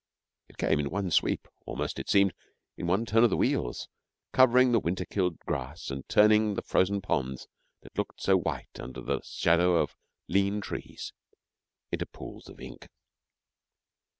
It came in one sweep almost, it seemed, in one turn of the wheels covering the winter killed grass and turning the frozen ponds that looked so white under the shadow of lean trees into pools of ink.